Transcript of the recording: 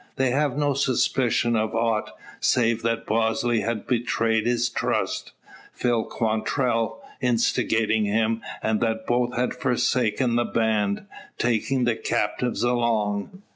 They have no suspicion of aught, save that Bosley has betrayed his trust, Phil Quantrell instigating him, and that both have forsaken the band, taking the captives along.